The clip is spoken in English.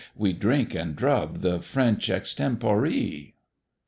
We drink and drub the French extempore."